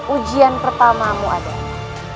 ujian pertamamu adalah